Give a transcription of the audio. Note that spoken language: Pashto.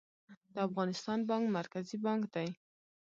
د افغانستان بانک مرکزي بانک دی